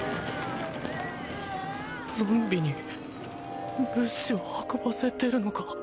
ゾンビに物資を運ばせてるのか？